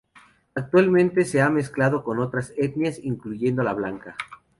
Actualmente se han mezclado con otras etnias, incluyendo la blanca.